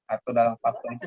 atau dalam faktor itu